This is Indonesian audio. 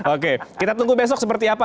oke kita tunggu besok seperti apa